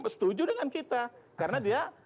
setuju dengan kita karena dia